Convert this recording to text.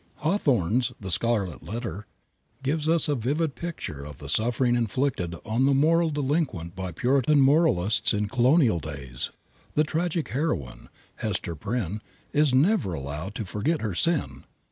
Hawthorne's "The Scarlet Letter" gives us a vivid picture of the suffering inflicted on the moral delinquent by Puritan moralists in Colonial days. The tragic heroine, Hester Prynn, is never allowed to forget her sin.